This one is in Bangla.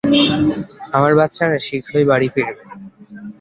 আমার বাচ্চারা শীঘ্রই বাড়ি ফিরবে।